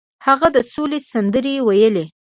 هغه د سولې سندرې ویلې.